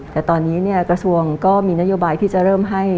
แต่ตอนนี้กระทรวงก็มีนโยบายที่จะเริ่มให้